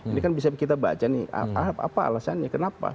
ini kan bisa kita baca nih apa alasannya kenapa